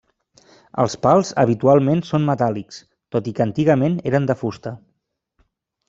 Els pals habitualment són metàl·lics, tot i que antigament eren de fusta.